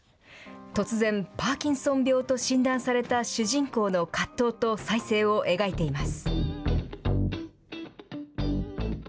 突然パーキンソン病と診断された主人公の葛藤と再生を描いています。